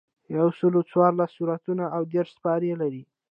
یوسلو څوارلس سورتونه او دېرش سپارې لري.